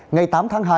ngày tám tháng hai